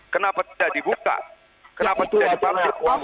kenapa tidak dibuka kenapa tidak dipakai